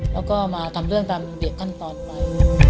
แล้วก็มาทำเรื่องตามเดียวกันต่อไป